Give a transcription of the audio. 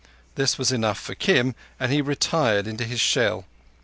This was enough for Kim, and he retired into his shell.